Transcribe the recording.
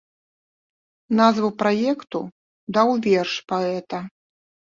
Назву праекту даў верш паэта.